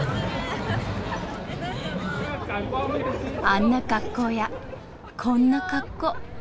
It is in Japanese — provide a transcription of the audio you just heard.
あんな格好やこんな格好。